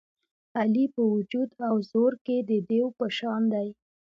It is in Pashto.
علي په وجود او زور کې د دېو په شان دی.